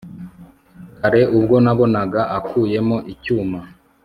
kare ubwo nabonaga akuyemo icyuma